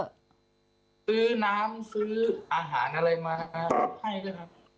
ซื้อน้ำซื้ออาหารอะไรมาให้ด้วยครับ